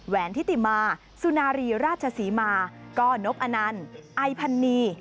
แหวนทิติมาสุนารีราชสีมาก้อนพนันไอพันนี